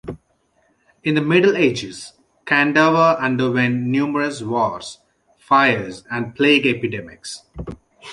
In the Middle Ages, Kandava underwent numerous wars, fires and plague epidemics.